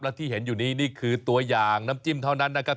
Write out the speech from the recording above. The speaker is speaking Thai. และที่เห็นอยู่นี้นี่คือตัวอย่างน้ำจิ้มเท่านั้นนะครับ